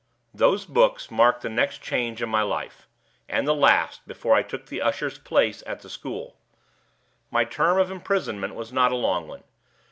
"Those books mark the next change in my life and the last, before I took the usher's place at the school. My term of imprisonment was not a long one.